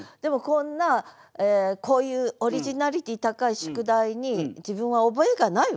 こんなこういうオリジナリティー高い宿題に自分は覚えがないわと。